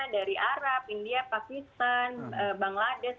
dari arab india pakistan bangladesh